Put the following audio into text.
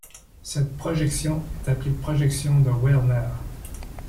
Cette projection est appelée projection de Werner.